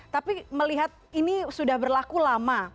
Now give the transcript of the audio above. tapi melihat ini sudah berlaku lama